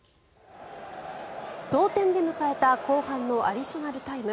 同点で迎えた後半のアディショナルタイム。